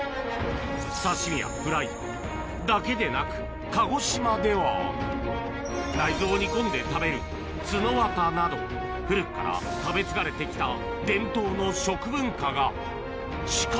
刺身やフライだけでなく、鹿児島では内臓を煮込んで食べるつのわたなど、古くから食べ継がれてきた伝統の食文化が。